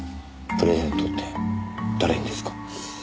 プレゼントって誰にですか？